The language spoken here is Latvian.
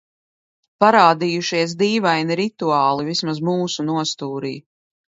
Parādījušies dīvaini rituāli. Vismaz mūsu nostūrī.